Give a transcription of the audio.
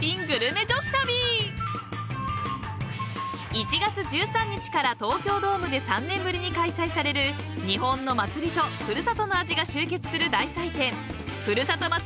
［１月１３日から東京ドームで３年ぶりに開催される日本の祭りとふるさとの味が集結する大祭典］